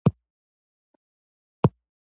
مدیریت څومره مهم دی؟